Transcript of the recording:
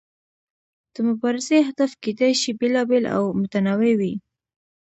د مبارزې اهداف کیدای شي بیلابیل او متنوع وي.